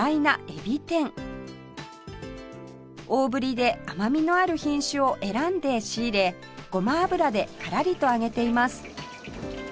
大ぶりで甘みのある品種を選んで仕入れゴマ油でカラリと揚げています